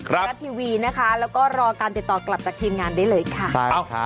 รัฐทีวีนะคะแล้วก็รอการติดต่อกลับจากทีมงานได้เลยค่ะ